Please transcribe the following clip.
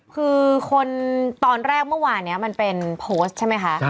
คือคนตอนแรกเมื่อวานนี้มันเป็นโพสต์ใช่ไหมคะ